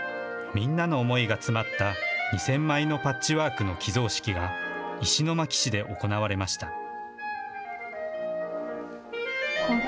みんなの思いが詰まった２０００枚のパッチワークの寄贈式が石巻市で行われました。